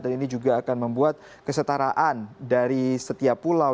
dan ini juga akan membuat kesetaraan dari setiap pulau